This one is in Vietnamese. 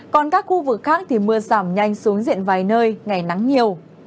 còn các khu vực khác thì mưa giảm nhanh xuống diện vài nơi ngày nắng nhiều